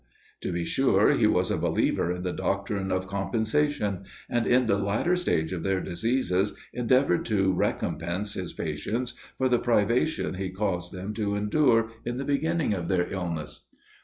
To be sure he was a believer in the doctrine of compensation; and in the latter stage of their diseases endeavored to recompense his patients for the privations he caused them to endure in the beginning of their illness.